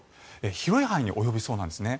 広い範囲に及びそうなんですね。